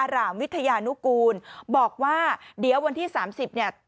รามวิทยานุกูลบอกว่าเดี๋ยววันที่สามสิบเนี่ย